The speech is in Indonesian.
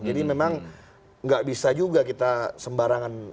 jadi memang nggak bisa juga kita sembarangan